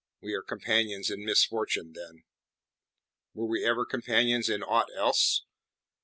"We are companions in misfortune, then." "Were we ever companions in aught else?